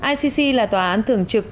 icc là tòa án thường trực